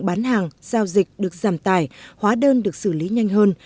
bán hàng giao dịch được giảm tài hóa đơn được xử lý nhanh hơn